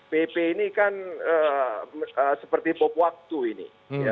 pp ini kan seperti bop waktu ini